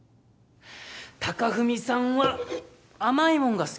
隆文さんは甘いもんが好きなんだよ